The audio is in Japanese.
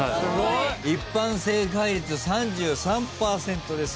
一般正解率３３％です。